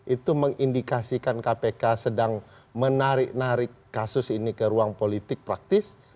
itu mengindikasikan kpk sedang menarik narik kasus ini ke ruang politik praktis